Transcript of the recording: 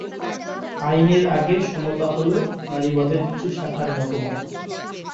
আইনের আগে সমতা হলো নারীবাদের কিছু শাখার মতবাদ।